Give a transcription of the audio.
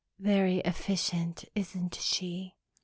"Very efficient, isn't she?"